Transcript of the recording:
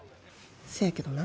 せやけどな